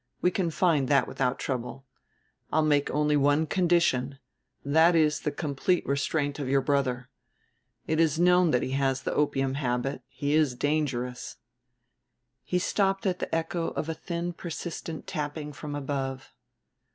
We can find that without trouble. I'll make only one condition: That is the complete restraint of your brother. It is known that he has the opium habit, he is a dangerous " He stopped at the echo of a thin persistent tapping from above.